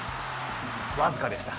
僅かでした。